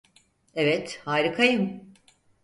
Evet, harikayım.